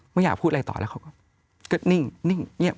ไม่อยากพูดอะไรต่อแล้วเขาก็นิ่งเงียบ